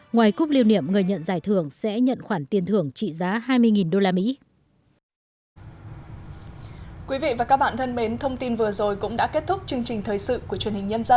ngoài cúp liêu niệm người nhận giải thưởng sẽ nhận khoản tiền thưởng trị giá hai mươi usd